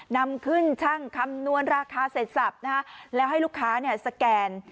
นำขึ้นช่างคำนวณราคาเสร็จสับนะฮะแล้วให้ลูกค้าเนี่ยสแกน